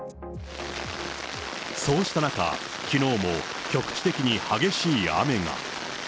そうした中、きのうも局地的に激しい雨が。